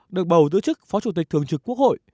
được bầu giữ chức phó chủ tịch thường trực quốc hội